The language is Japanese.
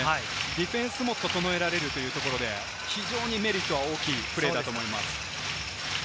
ディフェンスも整えられるということで、非常にメリットは大きいプレーだと思います。